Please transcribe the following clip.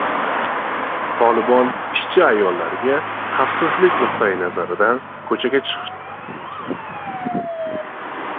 Tolibon ishchi ayollarga "xavfsizlik nuqtai nazaridan" ko‘chaga chiqishni vaqtincha taqiqladi